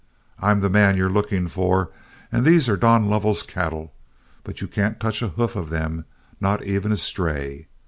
I'm the man you're looking for, and these are Don Lovell's cattle, but you can't touch a hoof of them, not even a stray.